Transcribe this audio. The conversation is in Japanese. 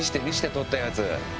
撮ったやつ。